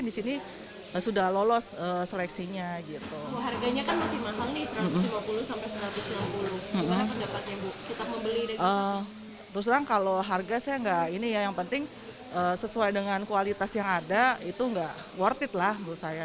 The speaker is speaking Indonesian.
terus terang kalau harga saya enggak ini ya yang penting sesuai dengan kualitas yang ada itu nggak worth it lah menurut saya